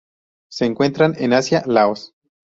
Se encuentran en Asia: Laos.